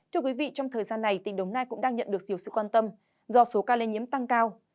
thưa quý vị trong thời gian này tỉnh đồng nai cũng đang nhận được nhiều sự quan tâm do số ca lây nhiễm tăng cao